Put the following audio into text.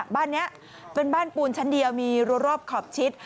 บ้านนี้เป็นบ้านปูนชั้นเดียวมีรัวรอบขอบชิด